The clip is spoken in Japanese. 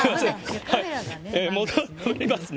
戻りますね。